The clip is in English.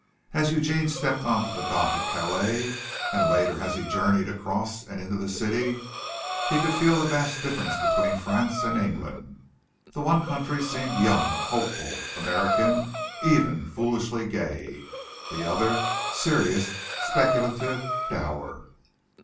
As Eugene stepped onto the dock at Calais and later as he journeyed across and into the city, he could feel the vast difference between France and England. The one country seemed young, hopeful, American, even foolishly gay, the other serious, speculative, dour.